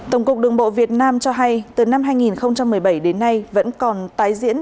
tổng cục đường bộ việt nam cho hay từ năm hai nghìn một mươi bảy đến nay vẫn còn tái diễn